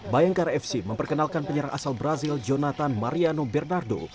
bayangkara fc memperkenalkan penyerang asal brazil jonathan mariano bernardo